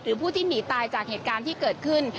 ผู้ที่หนีตายจากเหตุการณ์ที่เกิดขึ้น